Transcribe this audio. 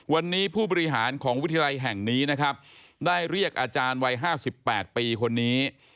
วันนี้ผู้บริหารของวิทยาลัยแห่งนี้นะครับได้เรียกอาจารย์วัย๕๘ปีคนนี้